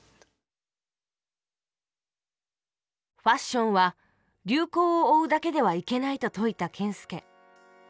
ファッションは流行を追うだけではいけないと説いた謙介。